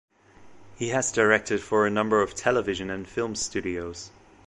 He has directed for a number of television and film studios.